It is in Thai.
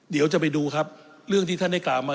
เดี๋ยวจะไปดูครับเรื่องที่ท่านได้กล่าวมา